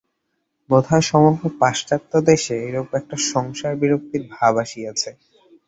বোধ হয় সমগ্র পাশ্চাত্যদেশে এইরূপ একটা সংসার-বিরক্তির ভাব আসিয়াছে।